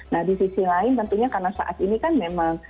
nah di sisi lain tentunya karena saat ini kan memang